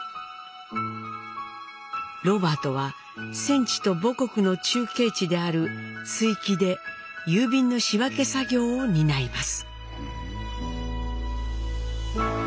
ロバートは戦地と母国の中継地である築城で郵便の仕分け作業を担います。